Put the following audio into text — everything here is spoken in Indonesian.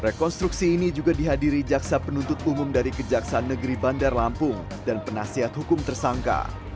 rekonstruksi ini juga dihadiri jaksa penuntut umum dari kejaksaan negeri bandar lampung dan penasihat hukum tersangka